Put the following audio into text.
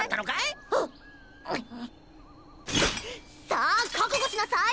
さあ覚悟しなさい！